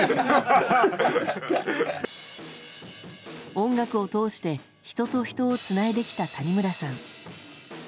音楽を通して人と人をつないできた谷村さん。